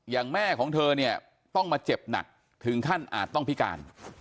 อย่างแม่ของเธอเนี่ยต้องมาเจ็บหนักถึงขั้นอาจต้องพิการ